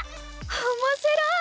おもしろい！